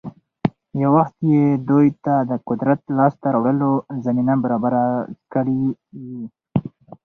يـو وخـت يـې دوي تـه د قـدرت لاس تـه راوړلـو زمـينـه بـرابـره کـړي وي.